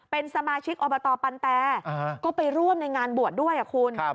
เป็นสมาชิกอบตปันแตก็ไปร่วมในงานบวชด้วยคุณ